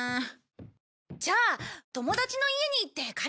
じゃあ友達の家に行って借りてくるよ。